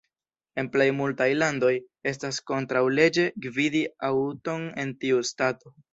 En plej multaj landoj, estas kontraŭleĝe gvidi aŭton en tiu stato.